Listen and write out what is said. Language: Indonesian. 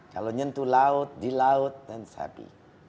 kalau nyentuh laut di laut then happy